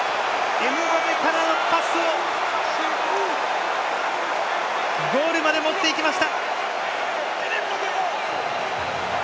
エムバペからのパスをゴールまで持っていきました。